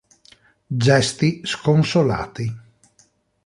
Gesti sconsolati